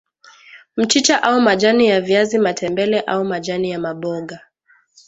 Mchicha au majani ya viazi matembele au majani ya maboga